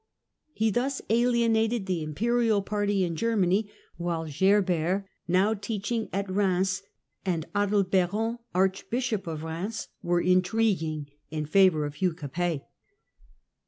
18). He thus alienated the imperial party in Germany, while Gerbert, now teaching at Eheims, and Adalbdron, Archbishop of Eheims, were intriguing in favour of Hugh Capet.